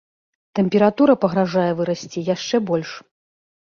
Тэмпература пагражае вырасці яшчэ больш.